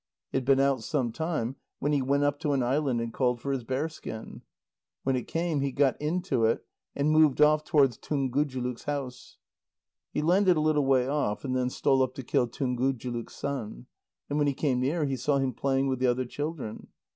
He had been out some time, when he went up to an island, and called for his bearskin. When it came, he got into it, and moved off towards Tungujuluk's house. He landed a little way off, and then stole up to kill Tungujuluk's son. And when he came near, he saw him playing with the other children.